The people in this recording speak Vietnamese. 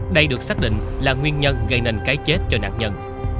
đây được xác định là nguyên nhân gây nên cái chết cho nạn nhân